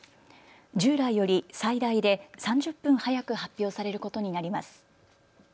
従来より最大で３０分早く発表されることになります。